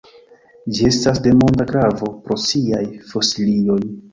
Ĝi estas de monda gravo pro siaj fosilioj.